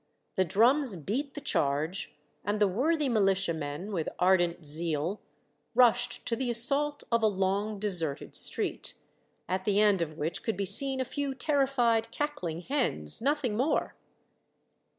The drums beat the charge, and the worthy militiamen, with ardent zeal, rushed to the assault of a long, deserted street, at the end of which could be seen a few terrified, cackling hens, — nothing more